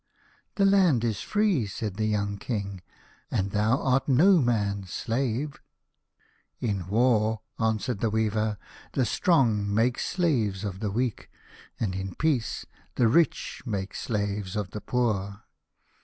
" The land is free," said the young King, " and thou art no man's slave." " In war," answered the weaver, " the strong 9 c A House of Pomegranates. make slaves of the weak, and in peace the rich make slaves of the poor.